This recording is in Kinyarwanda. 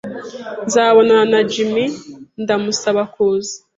Nzabonana na Jim ndamusaba kuza